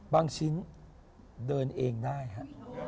บางชิ้นเดินเองได้ฮะ